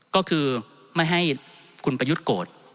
ก็คือไม่ให้คุณประยุทธ์โกรธ